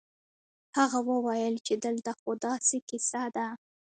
هغه وويل چې دلته خو داسې کيسه ده.